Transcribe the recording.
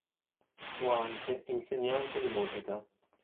Fu anche insegnante di musica.